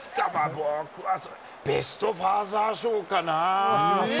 僕はベストファーザー賞かな？